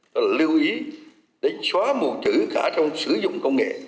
đó là lưu ý để xóa mù chữ cả trong sử dụng công nghệ